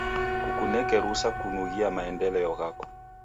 Kukuneke rusa kunughia maendeleo ghako.